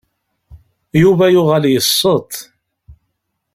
Yuba yuɣal yesseḍ.